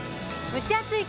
蒸し暑い